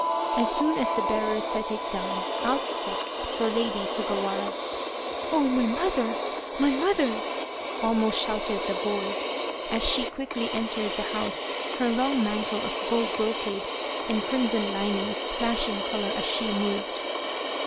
As soon as the bearers set it down out stepped the Lady Sugawara. " Oh, my mother ! My mother !" almost shouted the boy, as she quickly entered the house, her long mantle of gold brocade and crimson linings flashing colour as she moved.